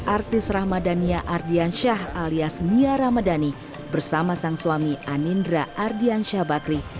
artis rahmadania ardiansyah alias mia ramadhani bersama sang suami anindra ardiansyah bakri